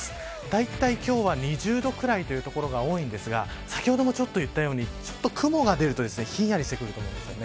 だいたい今日は２０度ぐらいの所が多いですが先ほども言ったように雲が出るとひんやりしてくると思います。